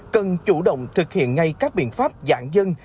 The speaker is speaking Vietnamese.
cần chủ động thực hiện ngay các biện pháp giãn dân